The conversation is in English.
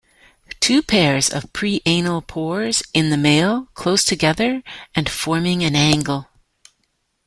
Two pairs of preanal pores in the male, close together, and forming an angle.